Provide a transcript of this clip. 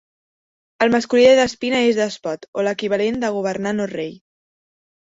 El masculí de Despina és Despot o l'equivalent de governant o rei.